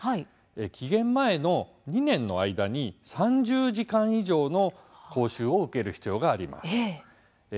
期限前の２年の間に３０時間以上の講習を受ける必要があります。